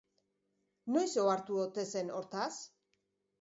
Noiz ohartu ote zen hortaz?